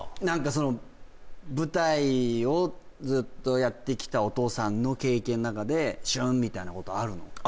何かその舞台をずっとやってきたお父さんの経験の中で「旬」みたいなことあるの？